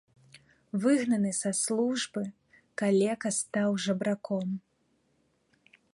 Выгнаны са службы, калека стаў жабраком.